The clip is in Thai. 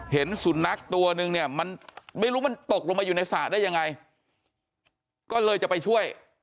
เห็นสุนัขตัวนึงเนี่ยมันไม่รู้มันตกลงมาอยู่ในสระได้ยังไงก็เลยจะไปช่วย